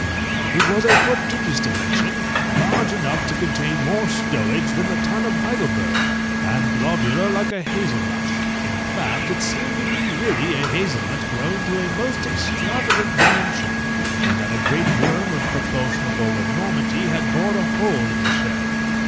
It was a prodigious dimension, large enough to contain more stowage than the tun of Heidelberg, and globular like a hazel nut: in fact, it seemed to be really a hazel nut grown to a most extravagant dimension, and that a great worm of proportionable enormity had bored a hole in the shell.